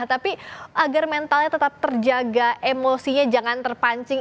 tapi agar mentalnya tetap terjaga emosinya jangan terpancing